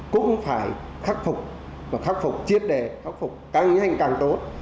cũng phải khắc phục khắc phục chiến đề khắc phục càng nhanh càng tốt